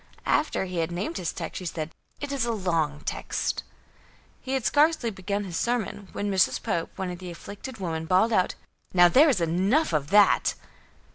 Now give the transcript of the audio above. After he had named his text, she said: "It is a long text." He had scarcely begun his sermon, when Mrs. Pope, one of the afflicted women, bawled out: "Now, there is enough of that."